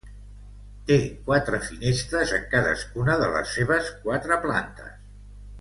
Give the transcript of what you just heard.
Té quatre finestres en cadascuna de les seves quatre plantes.